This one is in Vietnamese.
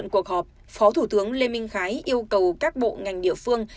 cuộc họp phó thủ tướng lê minh khái yêu cầu các bộ ngành địa phương